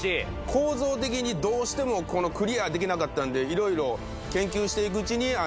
構造的にどうしてもクリアできなかったんでいろいろ研究していくうちに。